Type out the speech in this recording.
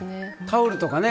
タオルとかね。